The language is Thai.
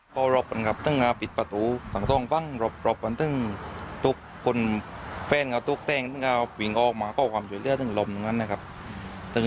กลับปิดต่างล่างเลยมันเป็นประตูหลูน่าหลูน่าง